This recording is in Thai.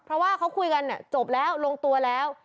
เพราะว่าเขาคุยกันจบแล้วลงตัวแล้ว